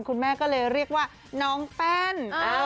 คุณแม่ก็เลยเรียกว่าน้องแป้น